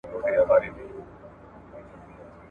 تر مرکې مخکي د ميرمني ليدل جائز دي.